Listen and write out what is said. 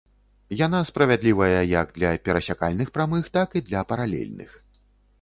Яна справядлівая як для перасякальных прамых, так і для паралельных.